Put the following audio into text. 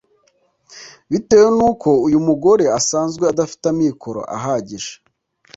Bitewe n’uko uyu mugore asanzwe adafite amikoro ahagije